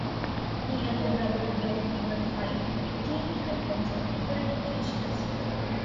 He and the Brotherhood of Evil fight the Teen Titans on different occasions.